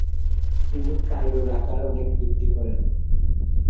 তিনি কায়রোর আকার অনেক বৃদ্ধি করেন।